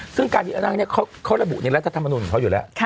ซึ่งการยึดอำนาจเขาระบุในรัฐธรรมนุนเขาอยู่แล้ว